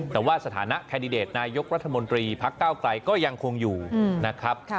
แต่ว่าสถานะแคนดิเดตนายกรัฐมนตรีพักเก้าไกลก็ยังคงอยู่นะครับ